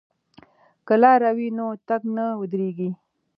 که لاره وي نو تګ نه ودریږي.